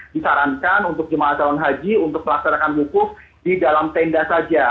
disarankan untuk jemaah calon haji untuk melaksanakan wukuf di dalam tenda saja